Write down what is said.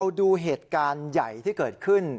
ดูเหตุการณ์ใหญ่ที่เกิดขึ้น